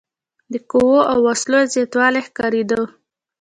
د قواوو او وسلو زیاتوالی ښکارېده.